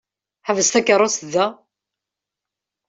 Ḥbes takeṛṛust da!